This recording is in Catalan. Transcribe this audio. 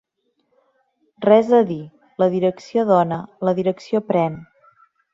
Res a dir: la direcció dona, la direcció pren.